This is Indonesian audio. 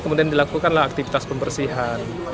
kemudian dilakukanlah aktivitas pembersihan